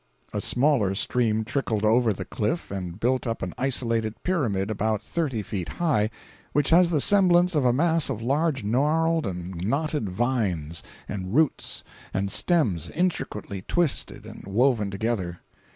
A smaller stream trickled over the cliff and built up an isolated pyramid about thirty feet high, which has the semblance of a mass of large gnarled and knotted vines and roots and stems intricately twisted and woven together.